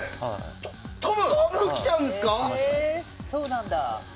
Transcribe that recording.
トム来たんですか！